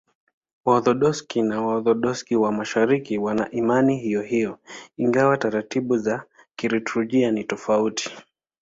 Waorthodoksi na Waorthodoksi wa Mashariki wana imani hiyohiyo, ingawa taratibu za liturujia ni tofauti.